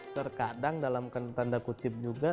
terkadang dalam tanda kutip juga